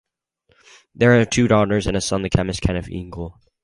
They had two daughters and a son the chemist Keith Ingold.